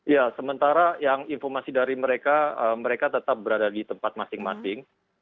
ya sementara yang informasi dari mereka mereka tetap berada di tempat masing masing